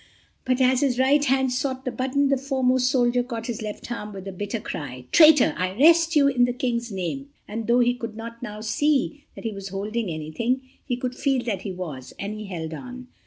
But as his right hand sought the button, the foremost soldier caught his left arm with the bitter cry— "Traitor, I arrest you in the King's name," and though he could now not see that he was holding anything, he could feel that he was, and he held on.